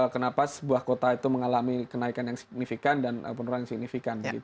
kenapa sebuah kota itu mengalami kenaikan yang signifikan dan penurunan yang signifikan